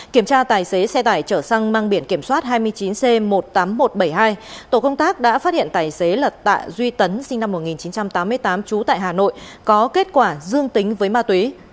kiểm tra tài xế xe tải chở xăng mang biển kiểm soát hai mươi chín c một mươi tám nghìn một trăm bảy mươi hai tổ công tác đã phát hiện tài xế là tạ duy tấn sinh năm một nghìn chín trăm tám mươi tám trú tại hà nội có kết quả dương tính với ma túy